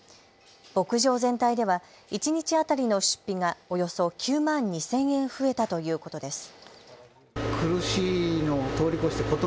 牧場全体では一日当たりの出費がおよそ９万２０００円増えたということです。